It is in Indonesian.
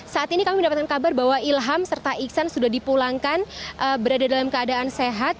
saat ini kami mendapatkan kabar bahwa ilham serta iksan sudah dipulangkan berada dalam keadaan sehat